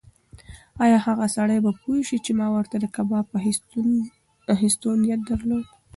ایا هغه سړی به پوه شي چې ما ورته د کباب اخیستو نیت درلود؟